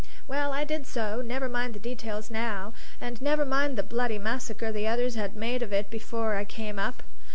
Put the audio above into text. Well, I did so; never mind the details now, and never mind the bloody massacre the others had made of it before I came up.